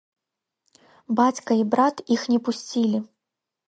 Бацька і брат іх не пусцілі.